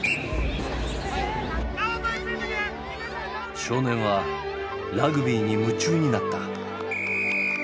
少年はラグビーに夢中になった。